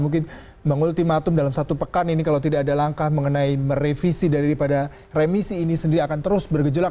mungkin mengultimatum dalam satu pekan ini kalau tidak ada langkah mengenai merevisi daripada remisi ini sendiri akan terus bergejolak